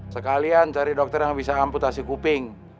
sekalian cari dokter yang bisa amputasi kuping